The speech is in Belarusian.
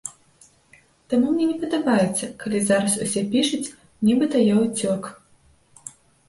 Таму мне не падабаецца, калі зараз усе пішуць, нібыта я ўцёк.